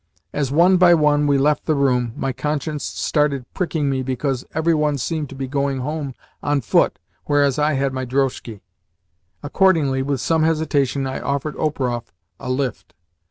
As, one by one, we left the room, my conscience started pricking me because every one seemed to be going home on foot, whereas I had my drozhki. Accordingly, with some hesitation I offered Operoff a lift.